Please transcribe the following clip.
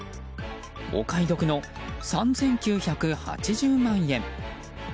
お買得の３９８０万円。